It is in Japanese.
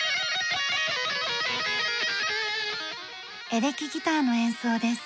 エレキギターの演奏です。